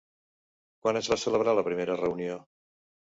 Quan es va celebrar la primera reunió?